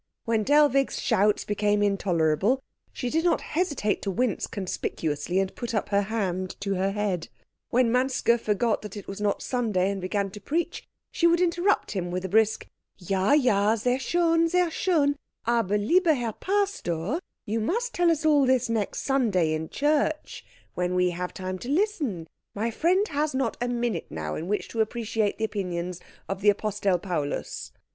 When Dellwig's shouts became intolerable, she did not hesitate to wince conspicuously and to put up her hand to her head. When Manske forgot that it was not Sunday, and began to preach, she would interrupt him with a brisk "Ja, ja, sehr schön, sehr schön, aber lieber Herr Pastor, you must tell us all this next Sunday in church when we have time to listen my friend has not a minute now in which to appreciate the opinions of the Apostel Paulus."